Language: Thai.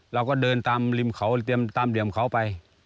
เราก็เดินตามริมเขาตามเหลี่ยมเขาไป